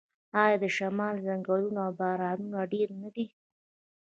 آیا د شمال ځنګلونه او بارانونه ډیر نه دي؟